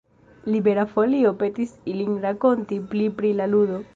Libera Folio petis ilin rakonti pli pri la ludo.